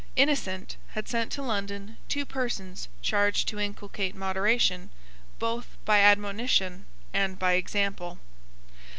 Innocent had sent to London two persons charged to inculcate moderation, both by admonition and by example.